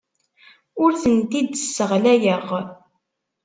Ur tent-id-sseɣlayeɣ.